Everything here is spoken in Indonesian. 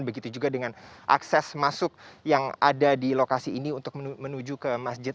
begitu juga dengan akses masuk yang ada di lokasi ini untuk menuju ke masjid